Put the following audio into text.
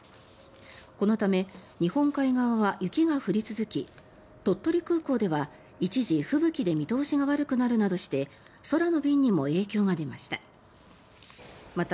このため日本海側は雪が降り続き鳥取空港では一時、吹雪で見通しが悪くなるなどして空の便にも影響が出ました。